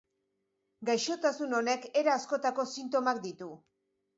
Gaixotasun honek era askotako sintomak ditu.